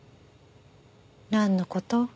なんの事？